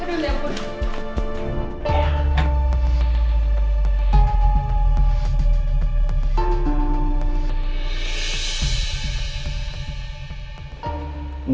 aduh ya ampun